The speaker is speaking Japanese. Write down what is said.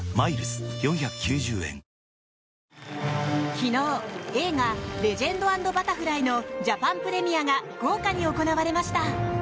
昨日、映画「レジェンド＆バタフライ」のジャパンプレミアが豪華に行われました。